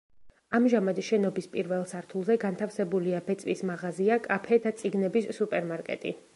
ამჟამად შენობის პირველ სართულზე განთავსებულია ბეწვის მაღაზია, კაფე და წიგნების სუპერმარკეტი.